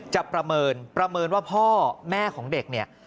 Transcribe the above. ประเมินประเมินว่าพ่อแม่ของเด็กเนี่ย